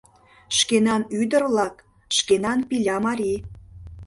Шкенан ӱдыр-влак, шкенан Пиля-мари